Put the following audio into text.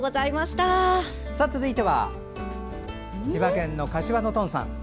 続いては千葉県の柏のトンさん。